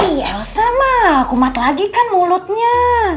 ih elsa malah kumat lagi kan mulutnya